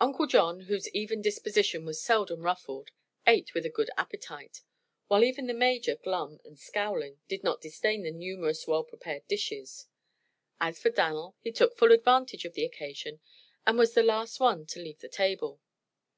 Uncle John, whose even disposition was seldom ruffled, ate with a good appetite, while even the Major, glum and scowling, did not disdain the numerous well prepared dishes. As for Dan'l, he took full advantage of the occasion and was the last one to leave the table.